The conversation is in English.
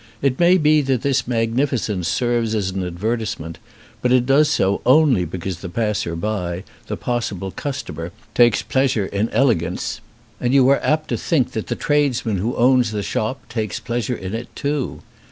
It may be that this magnificence serves as an advertisement ; but it does so only because the passer by, the possible customer, takes pleasure in elegance; and you are apt to think that the 206 THE FRAGMENT tradesman who owns the shop takes pleasure in it too.